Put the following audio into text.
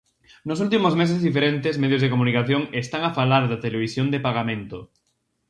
Nos últimos meses diferentes medios de comunicación están a falar da Televisión de pagamento.